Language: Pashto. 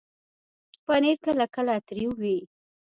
پنېر کله کله تریو وي.